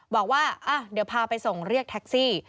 บอกว่าเดี๋ยวพาไปส่งเรียกแท็กซี่